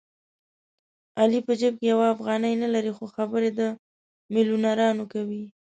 علي په جېب کې یوه افغانۍ نه لري خو خبرې د مېلیونرانو کوي.